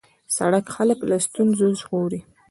سړک خلک له ستونزو ژغوري.